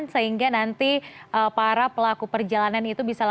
sehingga nanti para pelaku perjalanan itu bisa